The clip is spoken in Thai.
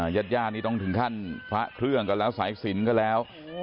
ยาดนี้ต้องถึงขั้นพระเครื่องกันแล้วสายศิลป์กันแล้ว